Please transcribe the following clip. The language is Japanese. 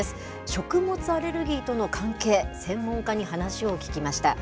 食物アレルギーとの関係、専門家に話を聞きました。